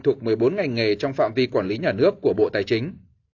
thuộc một mươi bốn ngành nghề trong phạm vi quản lý nhà nước của bộ tài chính